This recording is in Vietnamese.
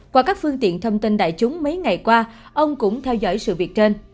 qua các phương tiện thông tin đại chúng mấy ngày qua ông cũng theo dõi sự việc trên